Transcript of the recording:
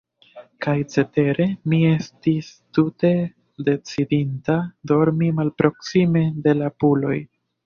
Kaj cetere, mi estis tute decidinta, dormi malproksime de la puloj.